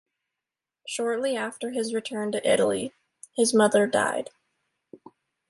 Shortly after his return to Italy, his mother died.